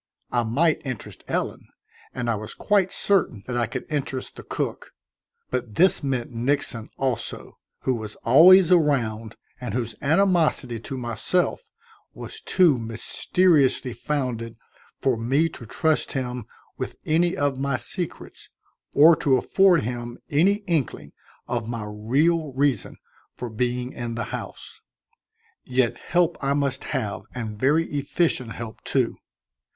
I might interest Ellen, and I was quite certain that I could interest the cook; but this meant Nixon, also, who was always around and whose animosity to myself was too mysteriously founded for me to trust him with any of my secrets or to afford him any inkling of my real reason for being in the house. Yet help I must have and very efficient help, too.